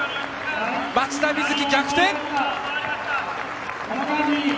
松田瑞生、逆転！